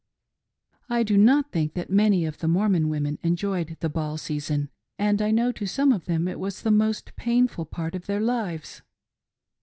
I do not think that many of the Mormon women enjoyed the ball season, and I know to some of them it was the most painful part of their lives.